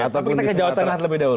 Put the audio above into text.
atau misalkan di jawa tengah lebih dahulu